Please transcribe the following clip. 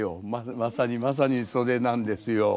まさにまさにそれなんですよ。